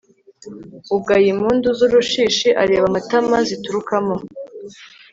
ugaya impundu z'urushishi, areba amatama ziturukamo